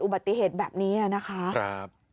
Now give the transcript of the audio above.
อุบัติเหตุแบบนี้นะคะ